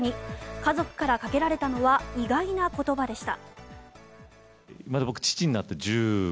家族からかけられたのは意外な言葉でした。